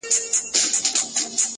زما څه عبادت په عادت واوښتی,